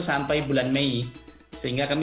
sampai bulan mei sehingga kami